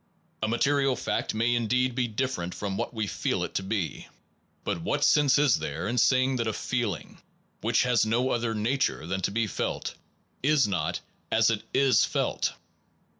A material fact may indeed be different from what we feel it to be, but what sense is there in saying that a feeling, which has no other na ture than to be felt, is not as it is felt?